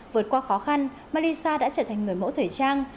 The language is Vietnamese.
vượt qua khó khăn malisa đã trở thành người mẫu thời trang